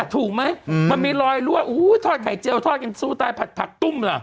ถูกไหมมันมีรอยลั่วอู้วทอดไข่เจลทอดกินซูตายผัดตุ้มล่ะ